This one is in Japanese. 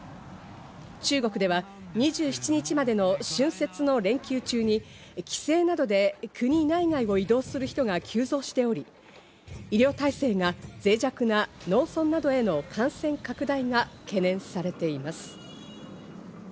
中国では２７日までの春節の連休中に帰省などで国内外を移動する人が急増しており、医療体制が脆弱な農村などへの感染拡大が懸念されています。